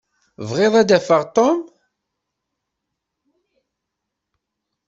Bɣiɣ ad d-afeɣ Tom.